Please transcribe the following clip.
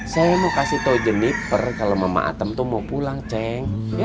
saya mau kasih tau jeniper kalau mama atam tuh mau pulang ceng